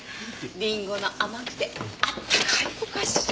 リンゴの甘くて温かいお菓子。